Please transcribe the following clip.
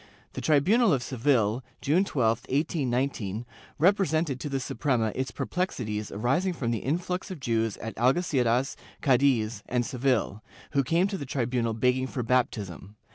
The tribunal of Seville, June 12, 1819, represented to the Suprema its perplexities arising from the influx of Jews at Algeciras, Cadiz and Seville, who came to the tribunal begging for baptism.